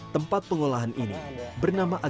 tempat pengolahan ini bernama